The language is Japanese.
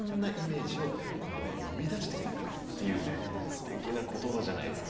すてきな言葉じゃないですか。